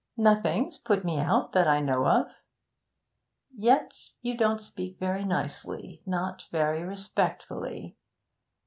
'Nothing's put me out, that I know of.' 'Yet you don't speak very nicely not very respectfully.